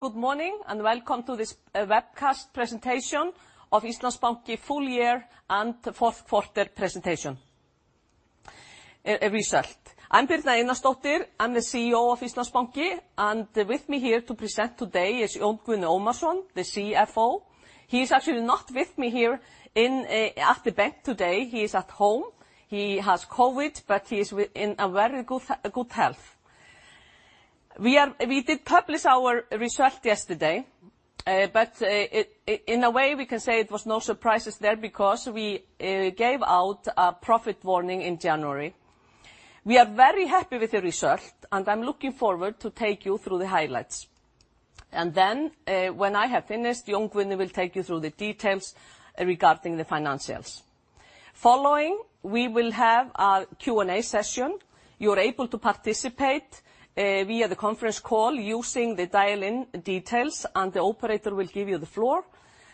Good morning, and welcome to this webcast presentation of Íslandsbanki full year and fourth quarter presentation result. I'm Birna Einarsdóttir. I'm the CEO of Íslandsbanki, and with me here to present today is Jón Guðni Ómarsson, the CFO. He's actually not with me here in at the bank today. He is at home. He has COVID, but he is in a very good health. We did publish our result yesterday, but in a way, we can say it was no surprises there because we gave out a profit warning in January. We are very happy with the result, and I'm looking forward to take you through the highlights. Then, when I have finished, Jón Guðni Ómarsson will take you through the details regarding the financials. Following, we will have our Q&A session. You're able to participate via the conference call using the dial-in details, and the operator will give you the floor.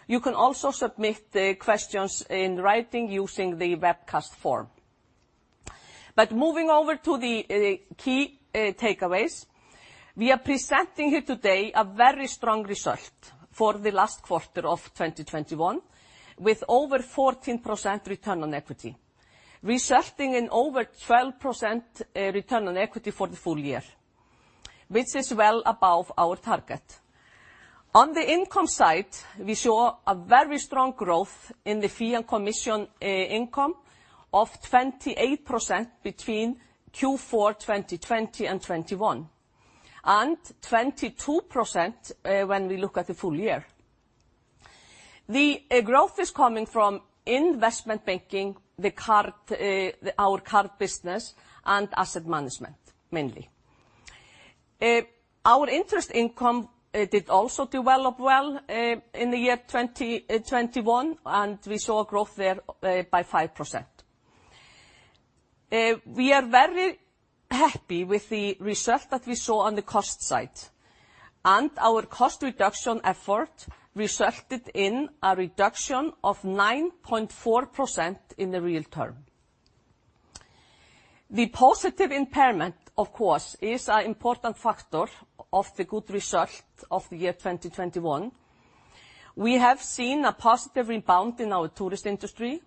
You can also submit the questions in writing using the webcast form. Moving over to the key takeaways, we are presenting here today a very strong result for the last quarter of 2021, with over 14% return on equity, resulting in over 12% return on equity for the full year, which is well above our target. On the income side, we saw a very strong growth in the fee and commission income of 28% between Q4 2020 and 2021, and 22% when we look at the full year. The growth is coming from investment banking, the card our card business, and asset management, mainly. Our interest income did also develop well in the year 2021, and we saw a growth there by 5%. We are very happy with the result that we saw on the cost side, and our cost reduction effort resulted in a reduction of 9.4% in the real terms. The positive impairment, of course, is an important factor of the good result of the year 2021. We have seen a positive rebound in our tourist industry,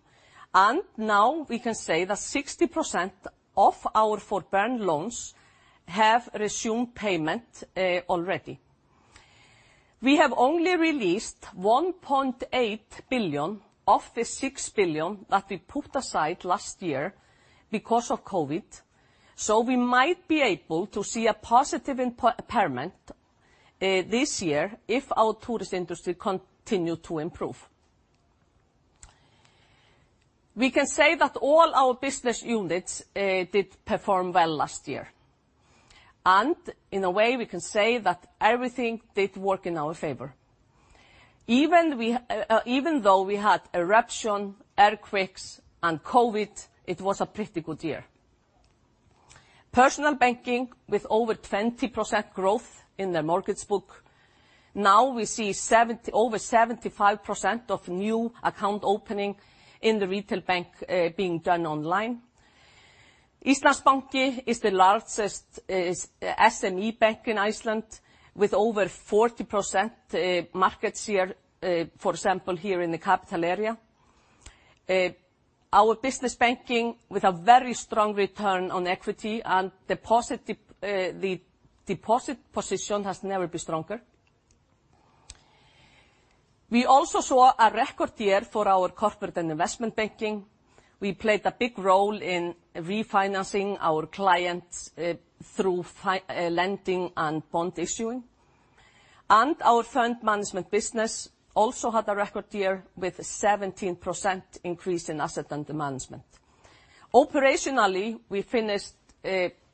and now we can say that 60% of our forbearance loans have resumed payment already. We have only released 1.8 billion of the 6 billion that we put aside last year because of COVID, so we might be able to see a positive impairment this year if our tourist industry continue to improve. We can say that all our business units did perform well last year, and in a way, we can say that everything did work in our favor. Even though we had eruption, earthquakes, and COVID, it was a pretty good year. Personal banking with over 20% growth in their mortgage book. Now we see over 75% of new account opening in the retail bank being done online. Íslandsbanki is the largest SME bank in Iceland with over 40% market share, for example, here in the capital area. Our business banking with a very strong return on equity and deposit, the deposit position has never been stronger. We also saw a record year for our corporate and investment banking. We played a big role in refinancing our clients through lending and bond issuing. Our fund management business also had a record year with a 17% increase in asset under management. Operationally, we finished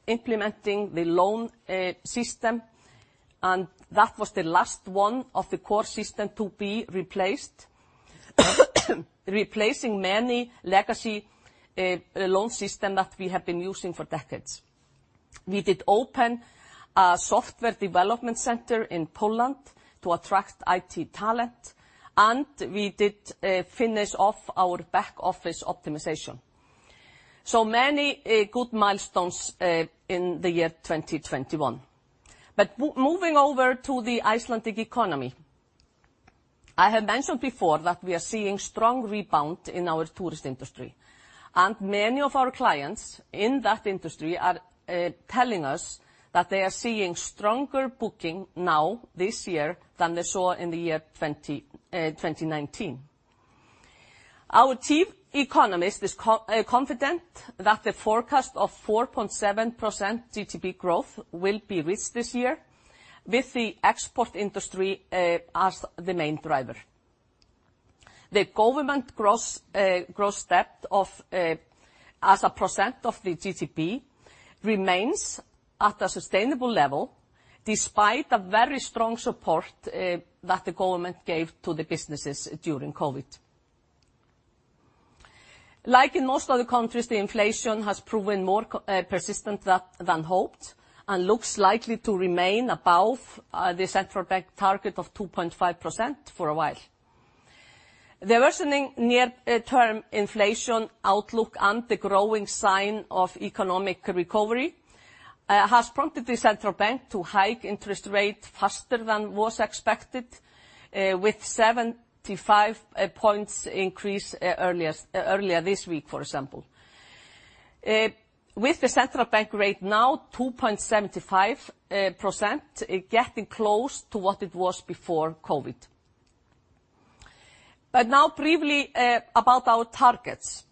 implementing the loan system, and that was the last one of the core system to be replaced, replacing many legacy loan system that we have been using for decades. We did open a software development center in Poland to attract IT talent, and we did finish off our back-office optimization. Many good milestones in the year 2021. Moving over to the Icelandic economy, I have mentioned before that we are seeing strong rebound in our tourist industry, and many of our clients in that industry are telling us that they are seeing stronger booking now this year than they saw in the year 2019. Our chief economist is confident that the forecast of 4.7% GDP growth will be reached this year with the export industry as the main driver. The government gross debt as a % of the GDP remains at a sustainable level despite a very strong support that the government gave to the businesses during COVID. Like in most other countries, the inflation has proven more persistent than hoped and looks likely to remain above the Central Bank target of 2.5% for a while. The worsening near-term inflation outlook and the growing sign of economic recovery has prompted the Central Bank to hike interest rate faster than was expected with 75 points increase earlier this week, for example. With the Central Bank rate now 2.75%, it's getting close to what it was before COVID. Now briefly about our targets.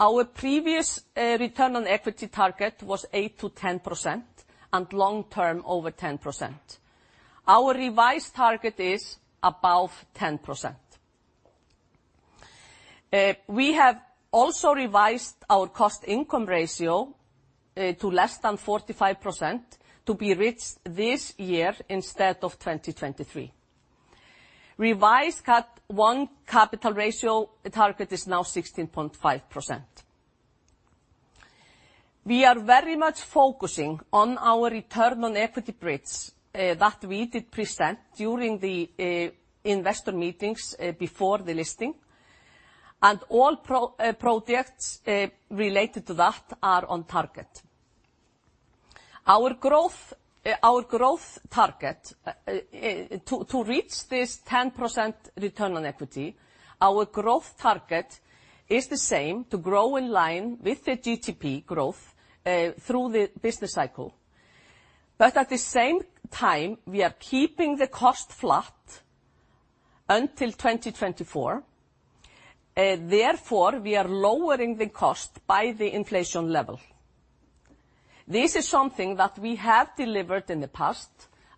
Our previous return on equity target was 8%-10% and long-term over 10%. Our revised target is above 10%. We have also revised our cost-income ratio to less than 45% to be reached this year instead of 2023. Revised CET1 capital ratio target is now 16.5%. We are very much focusing on our return on equity bridge that we did present during the investor meetings before the listing, and all projects related to that are on target. Our growth target to reach this 10% return on equity is the same, to grow in line with the GDP growth through the business cycle. At the same time, we are keeping the cost flat until 2024. Therefore, we are lowering the cost by the inflation level. This is something that we have delivered in the past,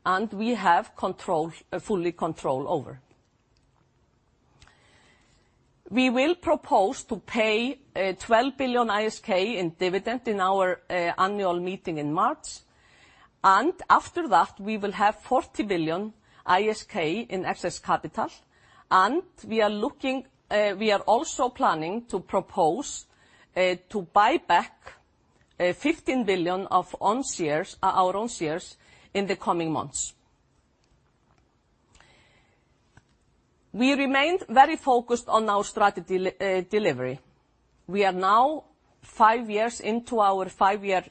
and we have full control over. We will propose to pay 12 billion ISK in dividend in our annual meeting in March, and after that, we will have 40 billion ISK in excess capital, and we are looking, we are also planning to propose to buy back 15 billion of our own shares in the coming months. We remain very focused on our strategy delivery. We are now three years into our five-year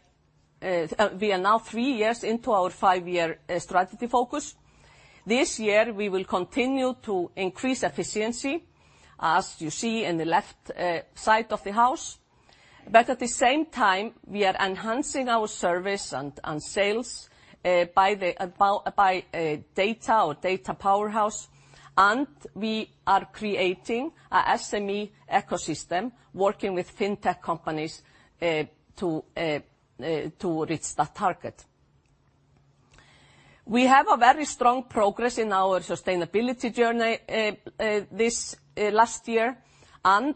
strategy focus. This year, we will continue to increase efficiency, as you see in the left side of the house. At the same time, we are enhancing our service and sales by data powerhouse, and we are creating a SME ecosystem working with fintech companies to reach that target. We have a very strong progress in our sustainability journey this last year, and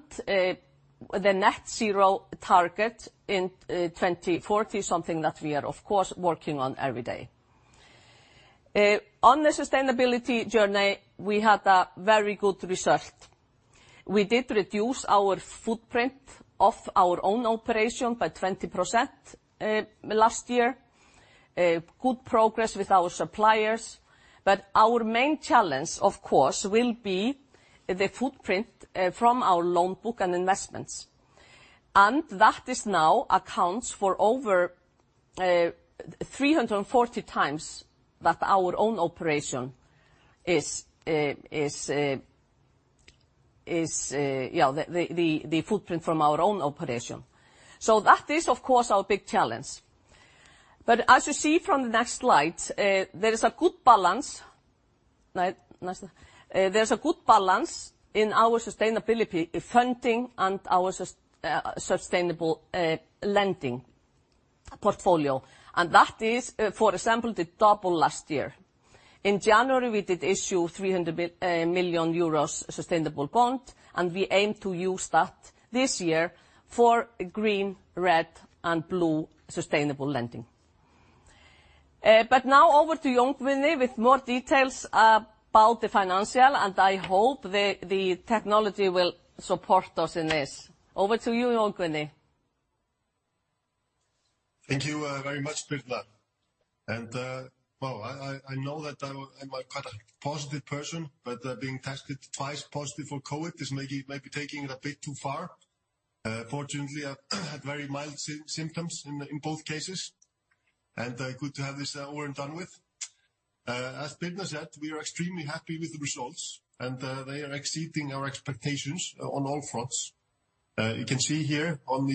the net zero target in 2040 is something that we are, of course, working on every day. On the sustainability journey, we had a very good result. We did reduce our footprint of our own operation by 20% last year. Good progress with our suppliers. Our main challenge, of course, will be the footprint from our loan book and investments. That is now accounts for over 340 times that our own operation is the footprint from our own operation. That is, of course, our big challenge. As you see from the next slide, there is a good balance. Next. There's a good balance in our sustainability funding and our sustainable lending portfolio. That is, for example, it doubled last year. In January, we did issue 300 million euros sustainable bond, and we aim to use that this year for green, red and blue sustainable lending. Now over to Jón Guðni with more details about the financials, and I hope the technology will support us in this. Over to you, Jón Guðni. Thank you very much, Birna. Well, I know that I am quite a positive person, but being tested twice positive for COVID is maybe taking it a bit too far. Fortunately, I had very mild symptoms in both cases, and good to have this over and done with. As Birna said, we are extremely happy with the results, and they are exceeding our expectations on all fronts. You can see here when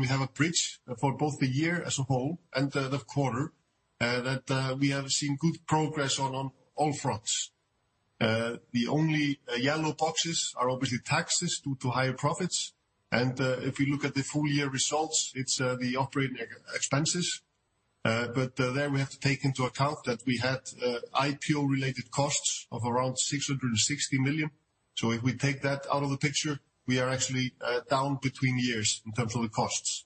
we have a bridge for both the year as a whole and the quarter that we have seen good progress on all fronts. The only yellow boxes are obviously taxes due to higher profits. If you look at the full year results, it's the operating expenses. There we have to take into account that we had IPO-related costs of around 660 million. If we take that out of the picture, we are actually down between years in terms of the costs.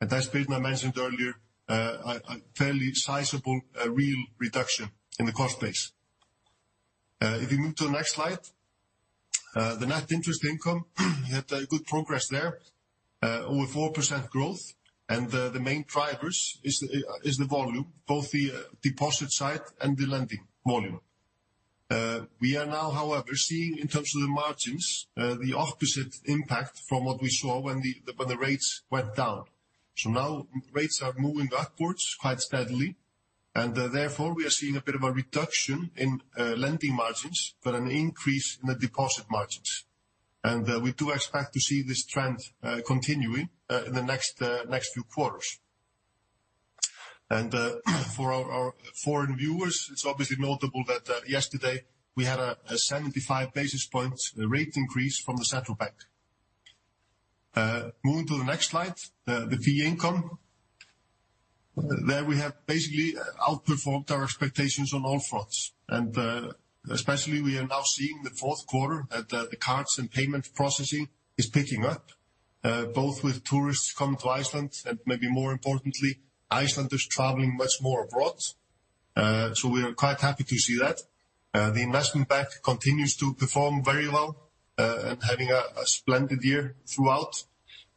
As Birna mentioned earlier, a fairly sizable real reduction in the cost base. If you move to the next slide, the net interest income. We had good progress there. Over 4% growth, the main drivers is the volume, both the deposit side and the lending volume. We are now, however, seeing in terms of the margins the opposite impact from what we saw when the rates went down. Now rates are moving upwards quite steadily, and therefore, we are seeing a bit of a reduction in lending margins, but an increase in the deposit margins. We do expect to see this trend continuing in the next few quarters. For our foreign viewers, it's obviously notable that yesterday we had a 75 basis points rate increase from the Central Bank. Moving to the next slide, the fee income. There we have basically outperformed our expectations on all fronts and especially we are now seeing the fourth quarter that the cards and payment processing is picking up both with tourists coming to Iceland and maybe more importantly, Icelanders traveling much more abroad. We are quite happy to see that. The investment bank continues to perform very well and is having a splendid year throughout.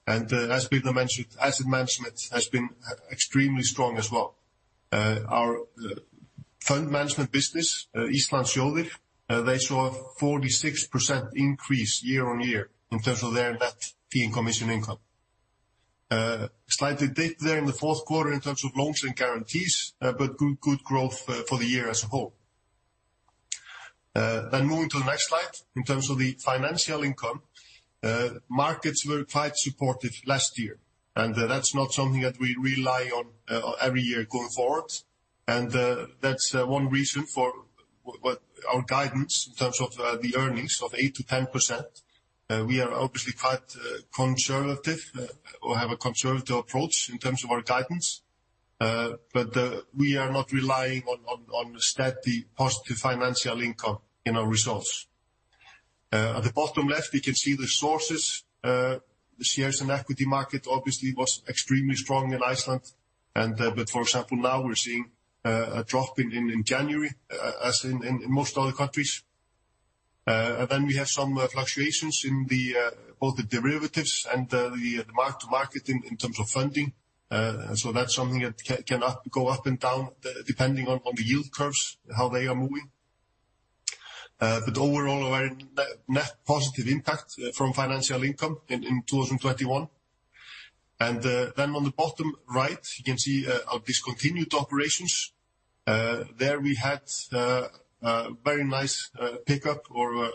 As Birna mentioned, asset management has been extremely strong as well. Our fund management business, Íslandssjóðir, they saw a 46% increase year-over-year in terms of their net fee and commission income. Slight dip there in the fourth quarter in terms of loans and guarantees, but good growth for the year as a whole. Moving to the next slide, in terms of the financial income, markets were quite supportive last year, and that's not something that we rely on every year going forward. That's one reason for our guidance in terms of the earnings of 8%-10%. We are obviously quite conservative or have a conservative approach in terms of our guidance, but we are not relying on steady positive financial income in our results. At the bottom left, we can see the sources. The shares and equity market obviously was extremely strong in Iceland, and but for example, now we're seeing a drop in January, as in most other countries. We have some fluctuations in both the derivatives and the mark-to-market in terms of funding. That's something that can go up and down depending on the yield curves, how they are moving. Overall, a very net positive impact from financial income in 2021. Then on the bottom right, you can see our discontinued operations. There we had a very nice pickup or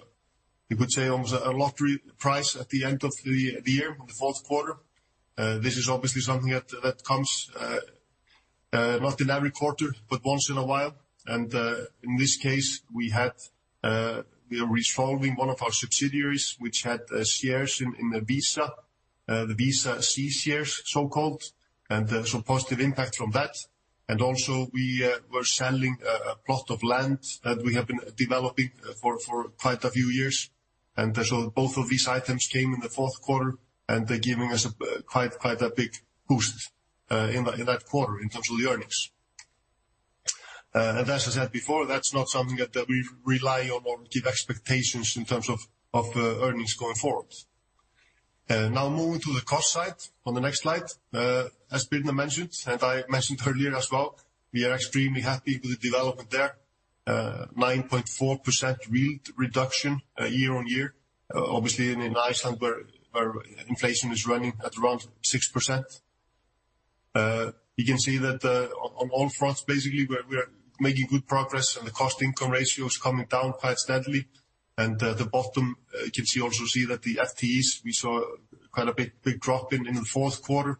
you could say almost a lottery prize at the end of the year, in the fourth quarter. This is obviously something that comes not in every quarter, but once in a while. In this case, we are resolving one of our subsidiaries which had shares in the Visa C shares, so-called, and so positive impact from that. Also, we were selling a plot of land that we have been developing for quite a few years. Both of these items came in the fourth quarter, and they're giving us a quite a big boost in that quarter in terms of the earnings. As I said before, that's not something that we rely on or give expectations in terms of earnings going forward. Now moving to the cost side on the next slide. As Birna mentioned, and I mentioned earlier as well, we are extremely happy with the development there. 9.4% yield reduction year-on-year. Obviously in Iceland, where inflation is running at around 6%. You can see that on all fronts, basically, we are making good progress, and the cost-income ratio is coming down quite steadily. At the bottom, you can see that the FTEs we saw quite a big drop in the fourth quarter.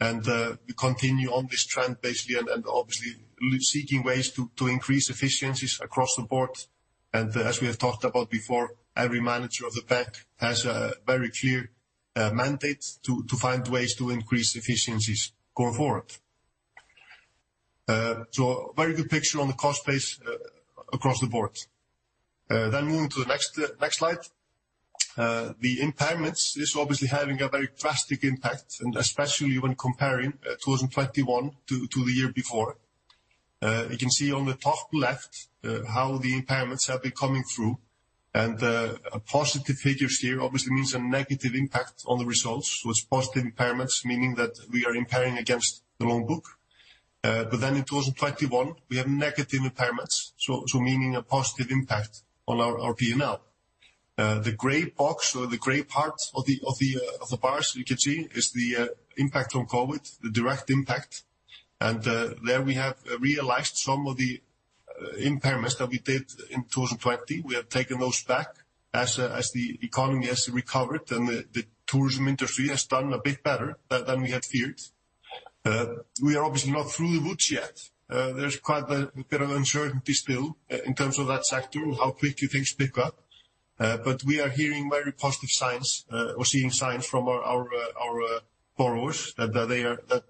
We continue on this trend, basically, and obviously seeking ways to increase efficiencies across the board. As we have talked about before, every manager of the bank has a very clear mandate to find ways to increase efficiencies going forward. So very good picture on the cost base across the board. Moving to the next slide. The impairments is obviously having a very drastic impact, and especially when comparing 2021 to the year before. You can see on the top left how the impairments have been coming through. Positive figures here obviously means a negative impact on the results, with positive impairments meaning that we are impairing against the loan book. But then in 2021, we have negative impairments, meaning a positive impact on our P&L. The gray box or the gray part of the bars you can see is the impact from COVID, the direct impact. There we have realized some of the impairments that we did in 2020. We have taken those back as the economy has recovered and the tourism industry has done a bit better than we had feared. We are obviously not through the woods yet. There's quite a bit of uncertainty still in terms of that sector, how quickly things pick up. We are hearing very positive signs or seeing signs from our borrowers that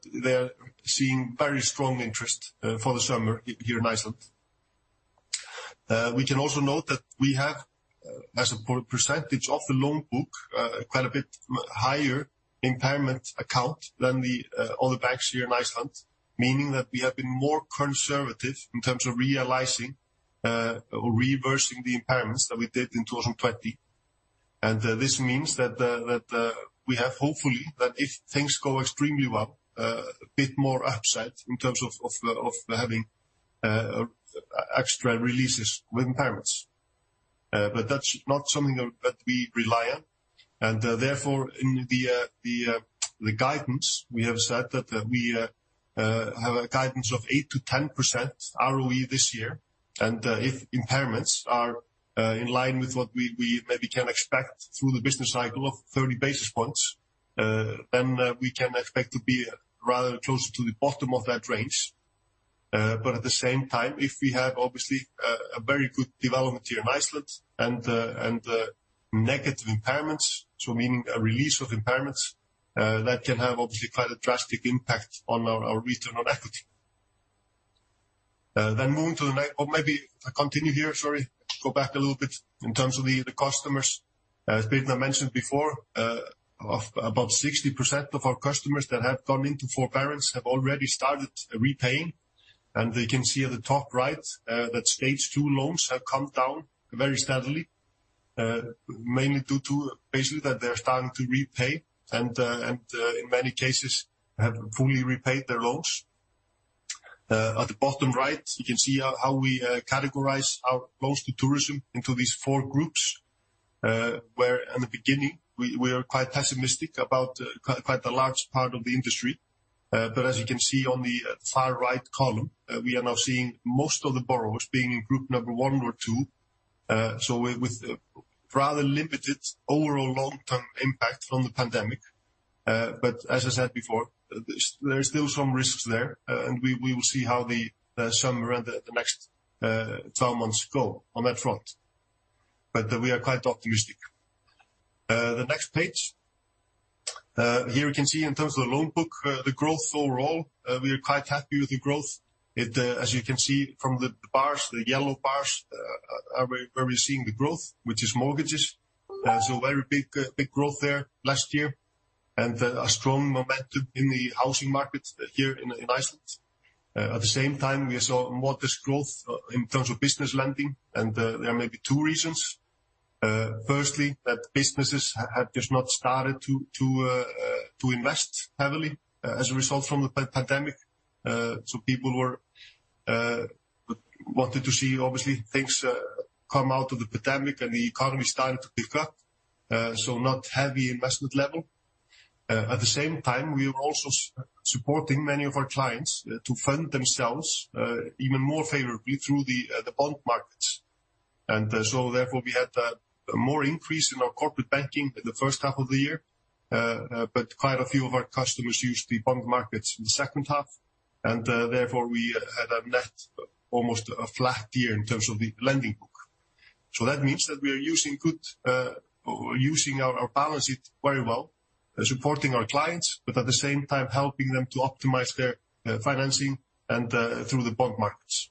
they are seeing very strong interest for the summer here in Iceland. We can also note that we have, as a percentage of the loan book, quite a bit higher impairment account than the other banks here in Iceland, meaning that we have been more conservative in terms of reversing the impairments that we did in 2020. This means that we have hopefully that if things go extremely well, a bit more upside in terms of having extra releases with impairments. But that's not something that we rely on. Therefore, in the guidance, we have said that we have a guidance of 8%-10% ROE this year. If impairments are in line with what we maybe can expect through the business cycle of 30 basis points, then we can expect to be rather closer to the bottom of that range. At the same time, if we have obviously a very good development here in Iceland and negative impairments, so meaning a release of impairments, that can have obviously quite a drastic impact on our return on equity. Moving to the ne-- or maybe I continue here, sorry. Go back a little bit in terms of the customers. As Birna mentioned before, of about 60% of our customers that have gone into forbearance have already started repaying. You can see at the top right that stage two loans have come down very steadily, mainly due to basically that they're starting to repay and in many cases have fully repaid their loans. At the bottom right, you can see how we categorize our loans to tourism into these four groups, where in the beginning we are quite pessimistic about quite a large part of the industry. As you can see on the far right column, we are now seeing most of the borrowers being in group number one or two. With rather limited overall long-term impact from the pandemic. As I said before, there is still some risks there, and we will see how the summer and the next 12 months go on that front. We are quite optimistic. The next page. Here we can see in terms of the loan book, the growth overall. We are quite happy with the growth. As you can see from the bars, the yellow bars are where we're seeing the growth, which is mortgages. So very big growth there last year, and a strong momentum in the housing market here in Iceland. At the same time, we saw modest growth in terms of business lending, and there may be two reasons. Firstly, that businesses have just not started to invest heavily as a result from the pandemic. People wanted to see, obviously, things come out of the pandemic and the economy starting to pick up. Not heavy investment level. At the same time, we are also supporting many of our clients to fund themselves even more favorably through the bond markets. Therefore, we had more increase in our corporate banking in the first half of the year. Quite a few of our customers used the bond markets in the second half. Therefore, we had a net almost flat year in terms of the lending book. That means that we are using our balance sheet very well, supporting our clients, but at the same time helping them to optimize their financing and through the bond markets.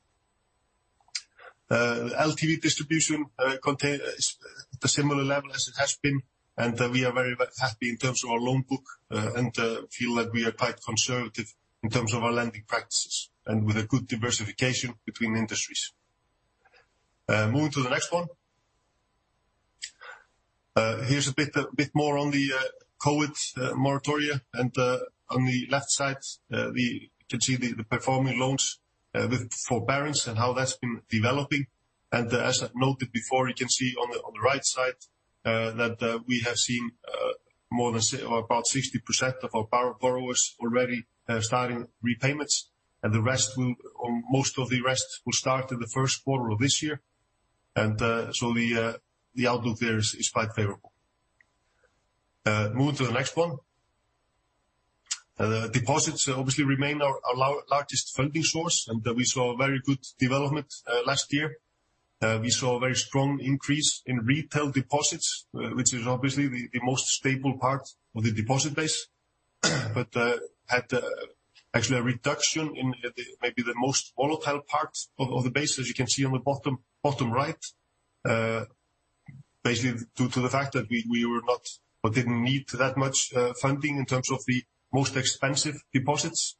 LTV distribution contains the similar level as it has been, and we are very happy in terms of our loan book and feel like we are quite conservative in terms of our lending practices and with a good diversification between industries. Moving to the next one. Here's a bit more on the COVID moratoria. On the left side, we can see the performing loans with forbearance and how that's been developing. As I've noted before, you can see on the, on the right side, that we have seen more than or about 60% of our borrowers already starting repayments. The rest will, or most of the rest will start in the first quarter of this year. So the outlook there is quite favorable. Moving to the next one. Deposits obviously remain our largest funding source, and we saw a very good development last year. We saw a very strong increase in retail deposits, which is obviously the most stable part of the deposit base. Had actually a reduction in the, maybe the most volatile part of the base, as you can see on the bottom right. Basically due to the fact that we were not or didn't need that much funding in terms of the most expensive deposits,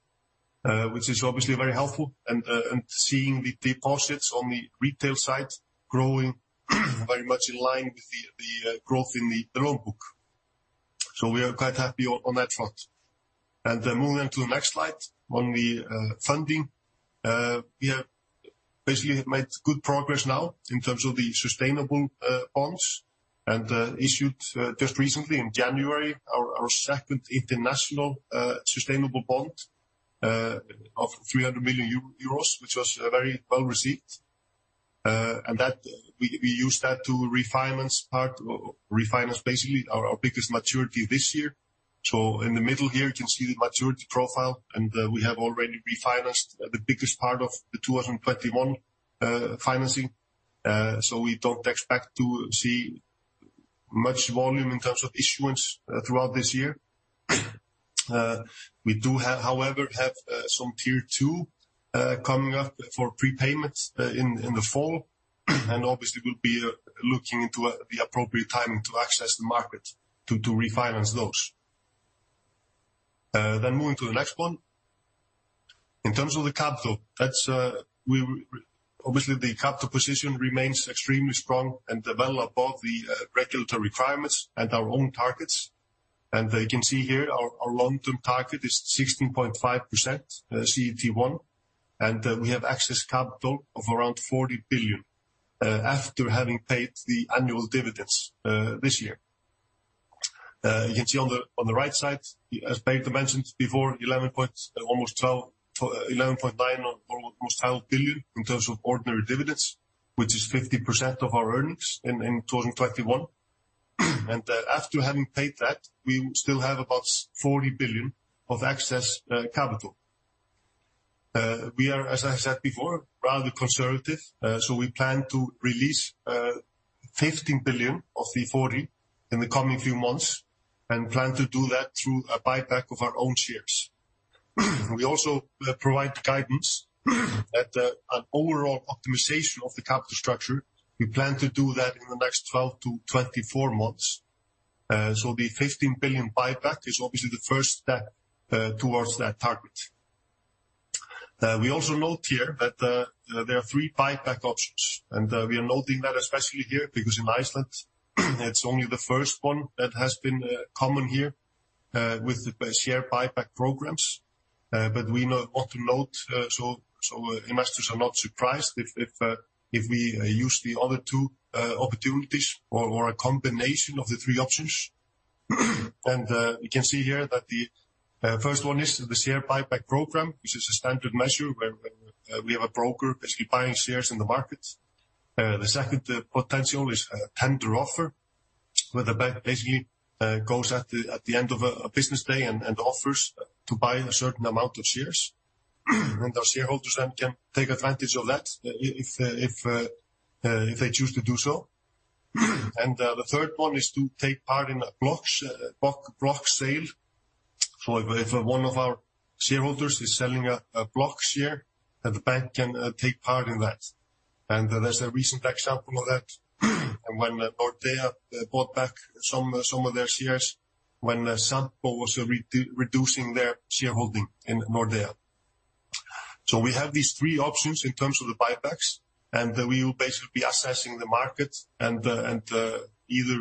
which is obviously very helpful and seeing the deposits on the retail side growing very much in line with the growth in the loan book. We are quite happy on that front. Moving into the next slide on the funding, we have basically made good progress now in terms of the sustainable bonds and issued just recently in January our second international sustainable bond of 300 million euros, which was very well received. We used that to refinance basically our biggest maturity this year. In the middle here, you can see the maturity profile, and we have already refinanced the biggest part of the 2021 financing. We don't expect to see much volume in terms of issuance throughout this year. We do have, however, some Tier 2 coming up for prepayments in the fall, and obviously we'll be looking into the appropriate timing to access the market to refinance those. Moving to the next one. In terms of the capital, that's obviously the capital position remains extremely strong and well above the regulatory requirements and our own targets. You can see here our long-term target is 16.5% CET1. We have excess capital of around 40 billion after having paid the annual dividends this year. You can see on the right side, as Birna mentioned before, 11.9 or almost 12 billion in terms of ordinary dividends, which is 50% of our earnings in 2021. After having paid that, we still have about 40 billion of excess capital. We are, as I said before, rather conservative, so we plan to release 15 billion of the 40 in the coming few months and plan to do that through a buyback of our own shares. We also provide guidance at an overall optimization of the capital structure. We plan to do that in the next 12-24 months. The 15 billion buyback is obviously the first step towards that target. We also note here that there are three buyback options, and we are noting that especially here because in Iceland it's only the first one that has been common here with the share buyback programs. We do want to note so investors are not surprised if we use the other two opportunities or a combination of the three options. You can see here that the first one is the share buyback program, which is a standard measure where we have a broker basically buying shares in the market. The second potential is a tender offer, where the bank basically goes at the end of a business day and offers to buy a certain amount of shares. Our shareholders then can take advantage of that if they choose to do so. The third one is to take part in a block sale. If one of our shareholders is selling a block share, the bank can take part in that. There's a recent example of that when Nordea bought back some of their shares when Sampo was reducing their shareholding in Nordea. We have these three options in terms of the buybacks, and we will basically be assessing the market and either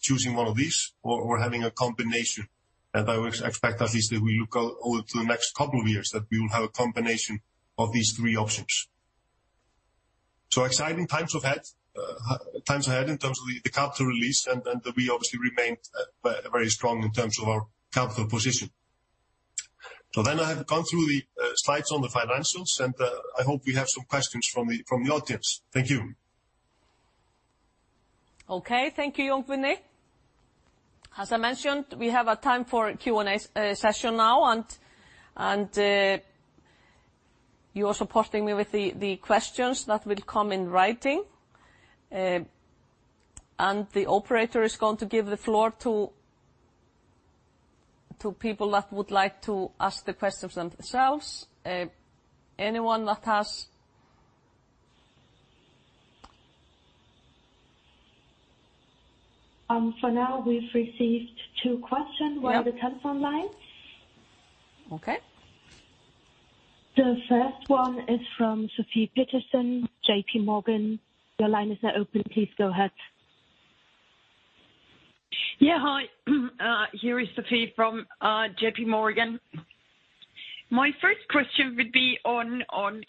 choosing one of these or having a combination. I expect at least that we look over to the next couple of years, that we will have a combination of these three options. Exciting times ahead in terms of the capital release and we obviously remain very strong in terms of our capital position. I have gone through the slides on the financials, and I hope we have some questions from the audience. Thank you. Okay. Thank you, Jón Guðni. As I mentioned, we have our time for Q&A session now. You are supporting me with the questions that will come in writing. The operator is going to give the floor to people that would like to ask the questions themselves. Anyone that has... For now we've received two questions. Yep. Via the telephone line. Okay. The first one is from Sofie Peterzens, JPMorgan. Your line is now open. Please go ahead. Yeah. Hi. Here is Sofie from JPMorgan. My first question would be on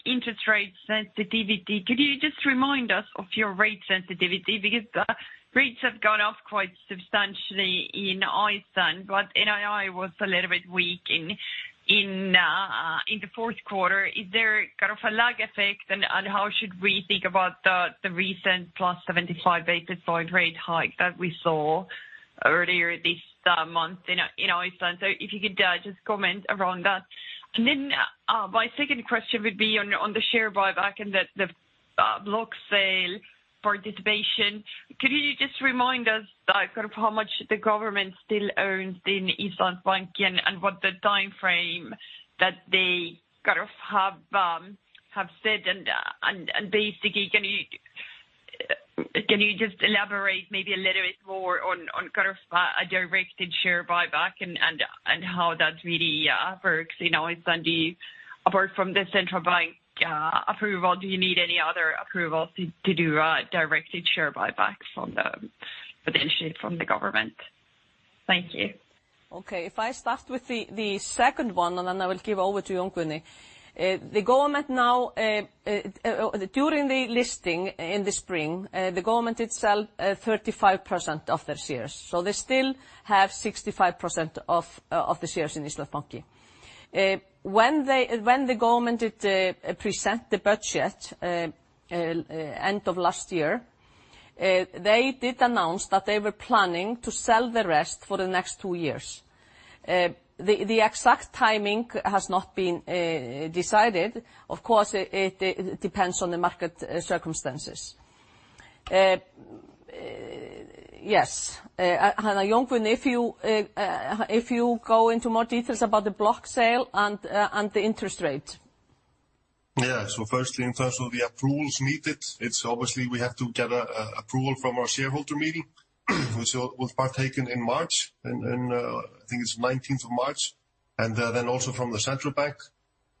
interest rate sensitivity. Could you just remind us of your rate sensitivity? Because the rates have gone up quite substantially in Iceland, but NII was a little bit weak in the fourth quarter. Is there kind of a lag effect, and how should we think about the recent +75 basis point rate hike that we saw earlier this month in Iceland? If you could just comment around that. My second question would be on the share buyback and the block sale participation. Could you just remind us, like, kind of how much the government still owns in Íslandsbanki and what the timeframe that they kind of have said? Basically, can you just elaborate maybe a little bit more on kind of a directed share buyback and how that really works in Iceland? Apart from the central bank approval, do you need any other approval to do directed share buybacks on the initiative from the government? Thank you. Okay. If I start with the second one, and then I will give over to Jón Guðni. The government now, during the listing in the spring, the government did sell 35% of their shares, so they still have 65% of the shares in Íslandsbanki. When the government did present the budget end of last year, they did announce that they were planning to sell the rest for the next two years. The exact timing has not been decided. Of course, it depends on the market circumstances. Yes. Jón Guðni, if you go into more details about the block sale and the interest rate. First, in terms of the approvals needed, it's obvious we have to get an approval from our shareholder meeting, which will take place in March, I think it's the 19th of March, and then also from the Central Bank.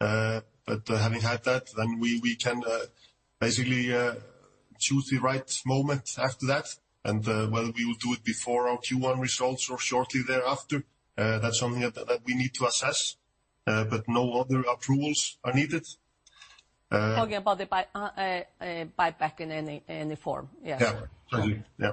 Having had that, we can basically choose the right moment after that, and well, we will do it before our Q1 results or shortly thereafter. That's something that we need to assess, but no other approvals are needed. Talking about the buyback in any form. Yes. Yeah. Totally. Yeah.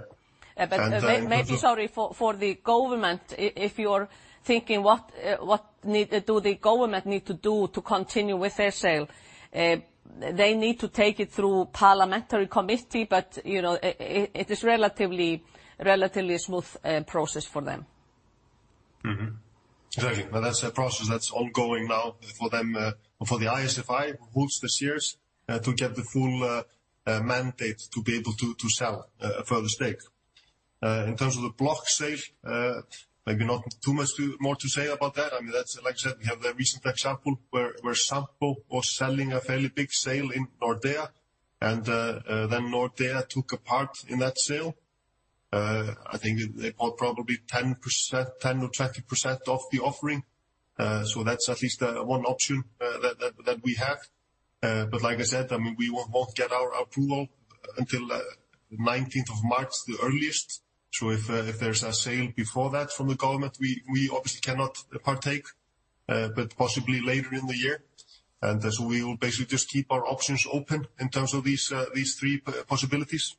Yeah, but may- And, um, with the- Sorry, for the government, if you're thinking what do the government need to do to continue with their sale, they need to take it through parliamentary committee, but you know, it is relatively a smooth process for them. Exactly. That's a process that's ongoing now for them for the ISFI who holds the shares to get the full mandate to be able to sell a further stake. In terms of the block sale, maybe not too much more to say about that. I mean, that's like I said, we have the recent example where Sampo was selling a fairly big sale in Nordea, and then Nordea took a part in that sale. I think they bought probably 10 or 20% of the offering. So that's at least one option that we have. Like I said, I mean, we won't get our approval until 19th of March the earliest. If there's a sale before that from the government, we obviously cannot partake, but possibly later in the year. As we will basically just keep our options open in terms of these three possibilities.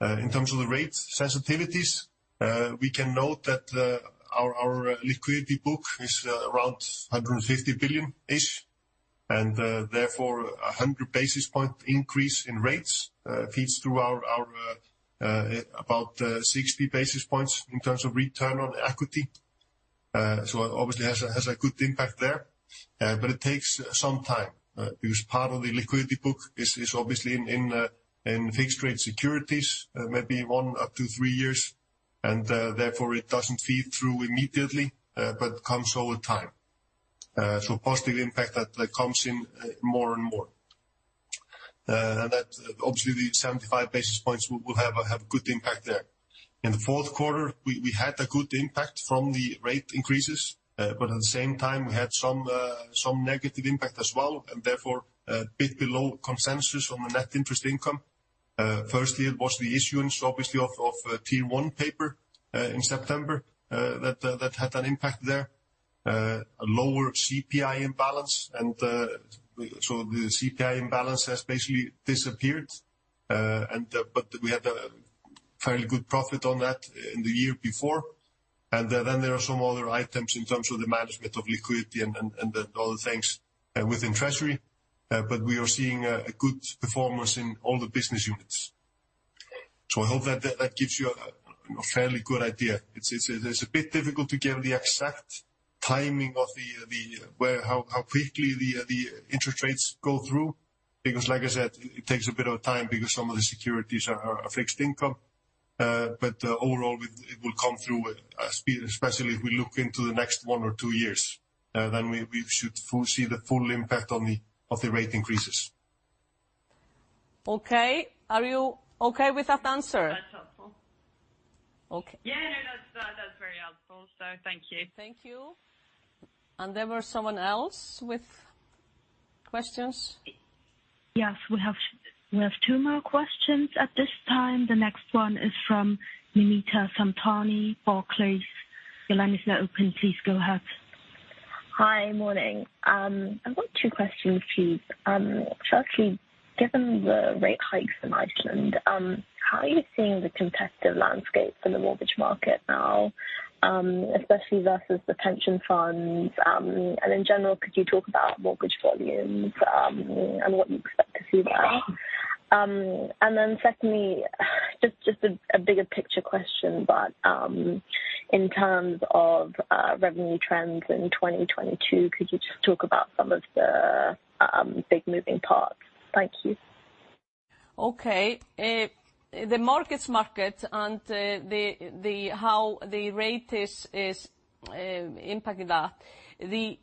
In terms of the rate sensitivities, we can note that our liquidity book is around 150 billion-ish, and therefore, a 100 basis point increase in rates feeds through to about 60 basis points in terms of return on equity. Obviously has a good impact there, but it takes some time, because part of the liquidity book is obviously in fixed rate securities, maybe one to three-years, and therefore, it doesn't feed through immediately, but comes over time. Positive impact that comes in more and more. That obviously the 75 basis points will have a good impact there. In the fourth quarter, we had a good impact from the rate increases, but at the same time, we had some negative impact as well, and therefore a bit below consensus on the net interest income. Firstly, it was the issuance obviously of Tier 1 paper in September that had an impact there. A lower CPI imbalance, so the CPI imbalance has basically disappeared, and we had a fairly good profit on that in the year before. There are some other items in terms of the management of liquidity and then all the things within treasury. We are seeing a good performance in all the business units. I hope that gives you a fairly good idea. It's a bit difficult to give the exact timing of how quickly the interest rates go through, because like I said, it takes a bit of time because some of the securities are fixed income. Overall, it will come through, especially if we look into the next one or two years, then we should see the full impact of the rate increases. Okay. Are you okay with that answer? That's helpful. Okay. Yeah. No, that's very helpful. Thank you. Thank you. Is there someone else with questions? Yes. We have two more questions at this time. The next one is from Namita Samtani, Barclays. Your line is now open. Please go ahead. Hi. Morning. I've got two questions for you. Firstly, given the rate hikes in Iceland, how are you seeing the competitive landscape for the mortgage market now, especially versus the pension funds? In general, could you talk about mortgage volumes, and what you expect to see there? Okay. Secondly, just a bigger picture question, but in terms of revenue trends in 2022, could you just talk about some of the big moving parts? Thank you. Okay. The mortgage market and how the rate is impacting that,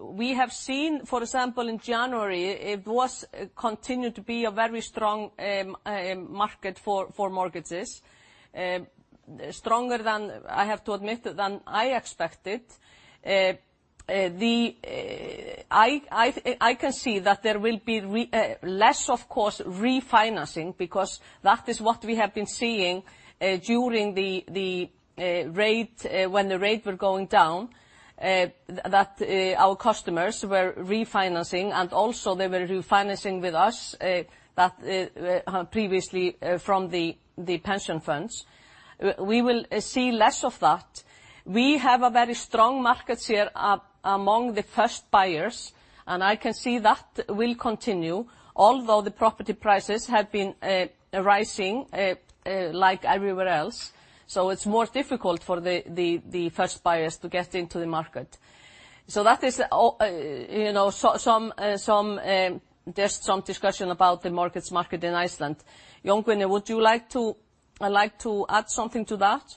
we have seen, for example, in January, it has continued to be a very strong market for mortgages. Stronger than, I have to admit, than I expected. I can see that there will be less refinancing, of course, because that is what we have been seeing during the time the rates were going down, that our customers were refinancing and also they were refinancing with us, that previously from the pension funds. We will see less of that. We have a very strong market share among the first buyers, and I can see that will continue although the property prices have been rising, like everywhere else. It's more difficult for the first buyers to get into the market. That is, you know, just some discussion about the market in Iceland. Jón Guðni, would you like to like to add something to that?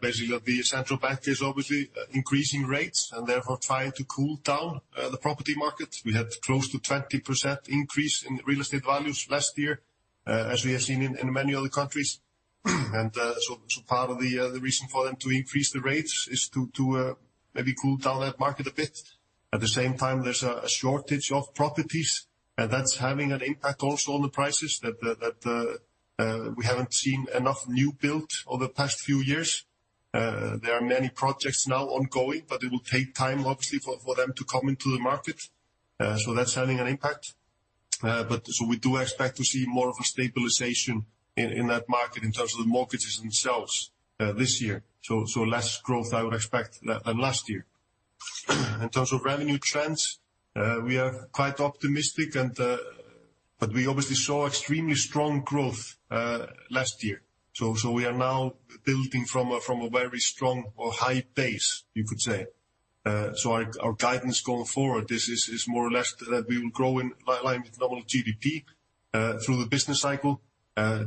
Basically, the Central Bank is obviously increasing rates and therefore trying to cool down the property market. We had close to 20% increase in real estate values last year, as we have seen in many other countries. Part of the reason for them to increase the rates is to maybe cool down that market a bit. At the same time, there's a shortage of properties, and that's having an impact also on the prices that we haven't seen enough new build over the past few years. There are many projects now ongoing, but it will take time, obviously, for them to come into the market. That's having an impact. We do expect to see more of a stabilization in that market in terms of the mortgages themselves this year. Less growth I would expect than last year. In terms of revenue trends, we are quite optimistic and we obviously saw extremely strong growth last year. We are now building from a very strong or high base, you could say. Our guidance going forward is more or less that we will grow in line with normal GDP through the business cycle.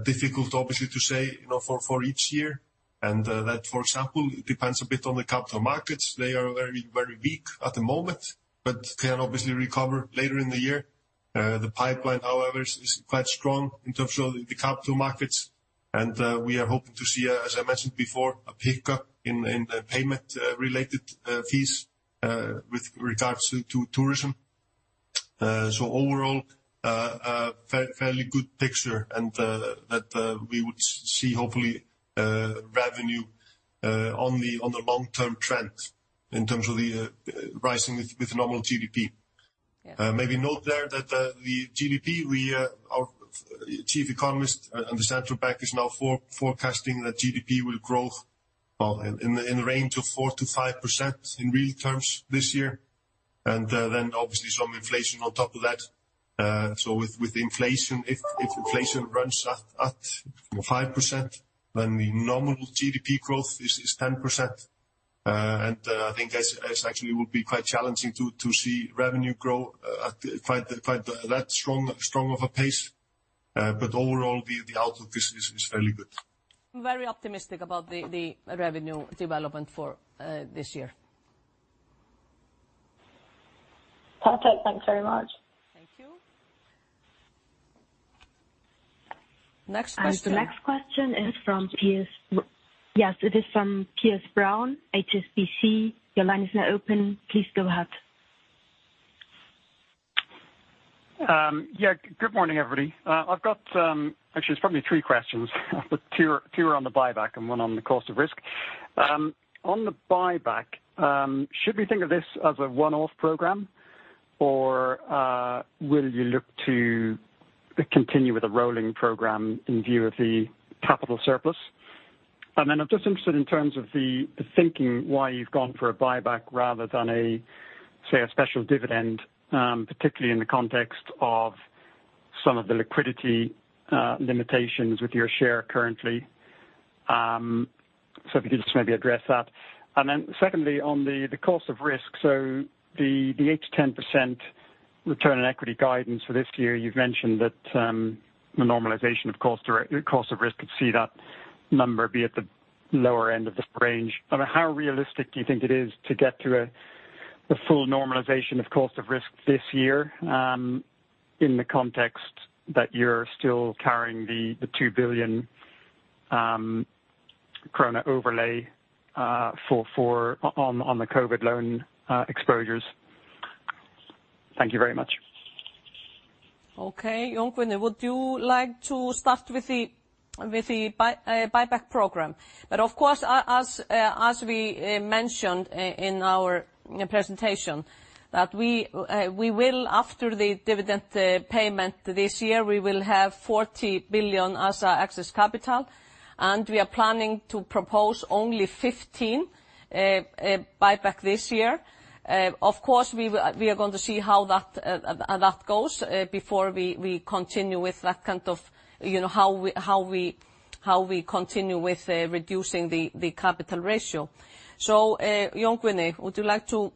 Difficult obviously to say, you know, for each year. That for example depends a bit on the capital markets. They are very weak at the moment, but can obviously recover later in the year. The pipeline, however, is quite strong in terms of the capital markets. We are hoping to see, as I mentioned before, a pickup in payment related fees with regards to tourism. Overall, a fairly good picture and that we would see hopefully revenue on the long-term trend in terms of the rising with normal GDP. Yeah. Maybe note there that the GDP, our chief economist and the central bank is now forecasting that GDP will grow in the range of 4%-5% in real terms this year, and then obviously some inflation on top of that. With inflation, if inflation runs at 5%, then the nominal GDP growth is 10%. I think this actually will be quite challenging to see revenue grow at quite that strong of a pace. But overall the outlook is fairly good. Very optimistic about the revenue development for this year. Perfect. Thanks very much. Thank you. Next question. The next question is from Piers Brown, HSBC. Your line is now open. Please go ahead. Yeah. Good morning, everybody. Actually, it's probably three questions. Two are on the buyback and one on the cost of risk. On the buyback, should we think of this as a one-off program, or will you look to continue with a rolling program in view of the capital surplus? Then I'm just interested in terms of the thinking why you've gone for a buyback rather than, say, a special dividend, particularly in the context of some of the liquidity limitations with your share currently. So if you could just maybe address that. Then secondly, on the cost of risk. 8%-10% return on equity guidance for this year, you've mentioned that, the normalization of cost of risk could see that number be at the lower end of this range. I mean, how realistic do you think it is to get to the full normalization of cost of risk this year, in the context that you're still carrying the 2 billion krona overlay, for, on the COVID loan exposures? Thank you very much. Okay. Jón Guðni, would you like to start with the buyback program? Of course, as we mentioned in our presentation, we will have 40 billion as our excess capital after the dividend payment this year, and we are planning to propose only 15 billion buyback this year. Of course, we are going to see how that goes before we continue with reducing the capital ratio. You know. Jón Guðni, would you like to?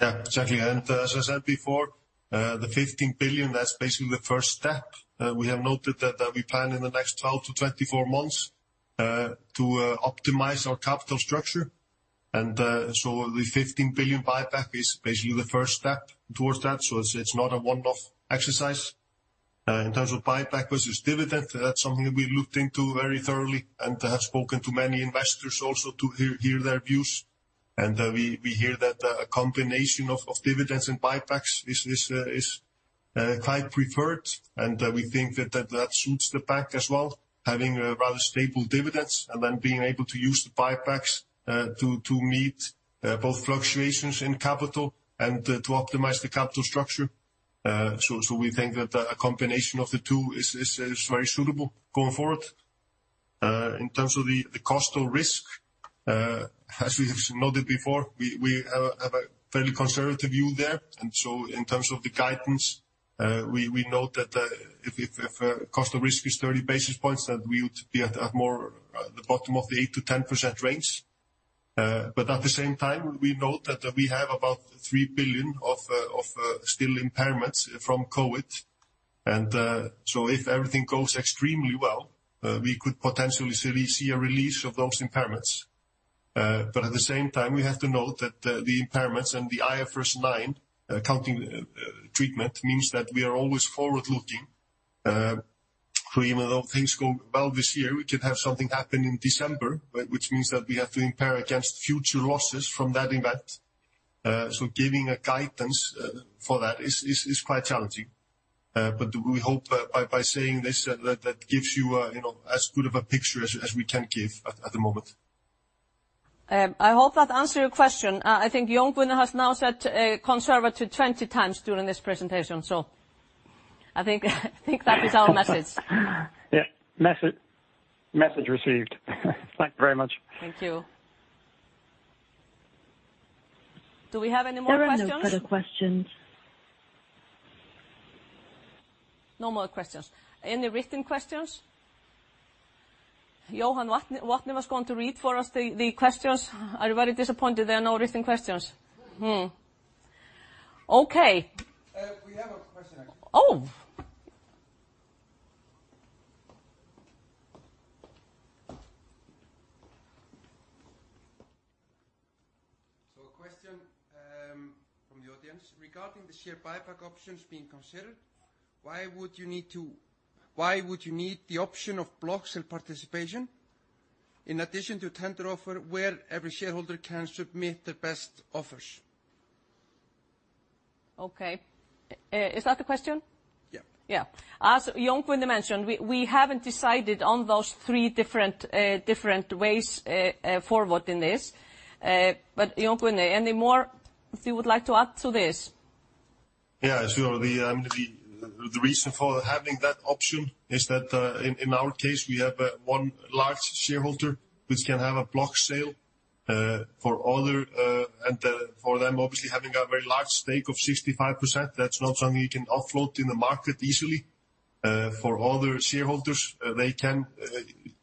Yeah, certainly. As I said before, the 15 billion, that's basically the first step. We have noted that we plan in the next 12-24 months to optimize our capital structure. The 15 billion buyback is basically the first step towards that. It's not a one-off exercise. In terms of buyback versus dividend, that's something we looked into very thoroughly and have spoken to many investors also to hear their views. We hear that a combination of dividends and buybacks is quite preferred, and we think that suits the bank as well, having rather stable dividends and then being able to use the buybacks to meet both fluctuations in capital and to optimize the capital structure. We think that a combination of the two is very suitable going forward. In terms of the cost of risk, as we've noted before, we have a fairly conservative view there. In terms of the guidance, we note that if cost of risk is 30 basis points, that we would be at more the bottom of the 8%-10% range. At the same time, we note that we have about 3 billion of still impairments from COVID. If everything goes extremely well, we could potentially see a release of those impairments. At the same time, we have to note that the impairments and the IFRS 9 accounting treatment means that we are always forward-looking. Even though things go well this year, we could have something happen in December, which means that we have to impair against future losses from that event. Giving a guidance for that is quite challenging. We hope by saying this that gives you a, you know, as good of a picture as we can give at the moment. I hope that answered your question. I think Jón Guðni Ómarsson has now said conservative 20x during this presentation. I think that is our message. Yeah. Message received. Thank you very much. Thank you. Do we have any more questions? There are no further questions. No more questions. Any written questions? Jóhann Ottó Wathne was going to read for us the questions. Are you very disappointed there are no written questions? Hmm. Okay. We have a question actually. Oh. A question from the audience. Regarding the share buyback options being considered, why would you need the option of block sale participation in addition to tender offer where every shareholder can submit their best offers? Okay. Is that the question? Yeah. Yeah. As Jón Guðni mentioned, we haven't decided on those three different ways forward in this. Jón Guðni, any more you would like to add to this? Yeah, sure. The reason for having that option is that in our case we have one large shareholder which can have a block sale for them obviously having a very large stake of 65%, that's not something you can offload in the market easily. For other shareholders, they can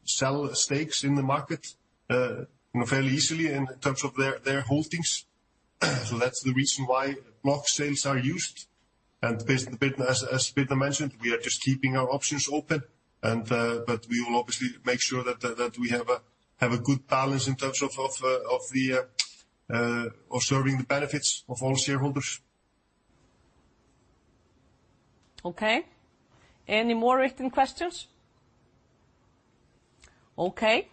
sell stakes in the market, you know, fairly easily in terms of their holdings. That's the reason why block sales are used. As Birna mentioned, we are just keeping our options open, but we will obviously make sure that we have a good balance in terms of serving the benefits of all shareholders. Okay. Any more written questions? Okay.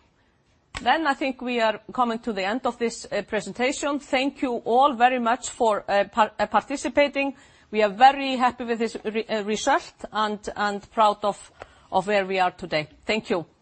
Then I think we are coming to the end of this presentation. Thank you all very much for participating. We are very happy with this result and proud of where we are today. Thank you.